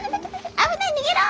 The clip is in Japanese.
危ない逃げろ！